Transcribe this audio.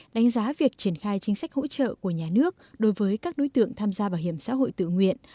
đánh giá việc triển khai chính sách hỗ trợ của nhà nước đối với các đối tượng tham gia bảo hiểm xã hội tự nguyện